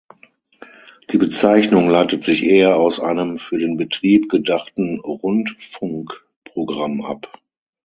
Die Bezeichnung leitet sich eher aus einem für den "Betrieb" gedachten Rund"funk"programm ab.